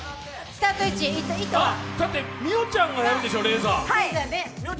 だって美桜ちゃんがやるんでしょ、レーザー。